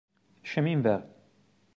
Chemin Vert